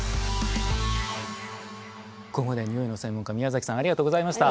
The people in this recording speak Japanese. ここまでニオイの専門家宮崎さんありがとうございました！